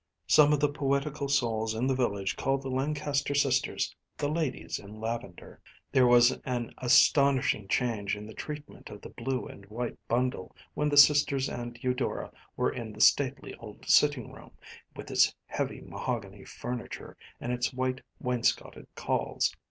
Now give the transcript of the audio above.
Some of the poetical souls in the village called the Lancaster sisters “The ladies in lavender.‚ÄĚ There was an astonishing change in the treatment of the blue and white bundle when the sisters and Eudora were in the stately old sitting room, with its heavy mahogany furniture and its white wainscoted calls.